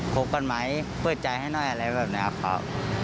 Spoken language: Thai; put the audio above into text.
คบกันไหมเปิดใจให้หน่อยอะไรแบบนี้ครับ